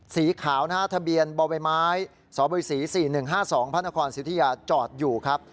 สีขาวหน้าทะเบียนบ่วยไม้สศ๔๑๕๒พศิษยาจอดอยู่ครับ